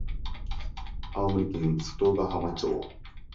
青森県外ヶ浜町